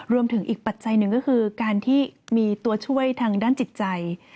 รวมถึงอีกปัจจัยหนึ่งก็คือการที่มีตัวช่วยทางด้านจิตใจ